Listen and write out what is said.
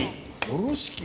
おろし器。